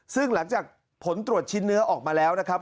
ซึ่งหลังจากผลตรวจชิ้นเนื้อออกมาแล้วนะครับ